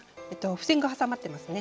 ふせんが挟まってますね。